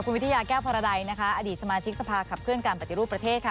คุณวิทยาแก้วพรดัยนะคะอดีตสมาชิกสภาขับเคลื่อนการปฏิรูปประเทศค่ะ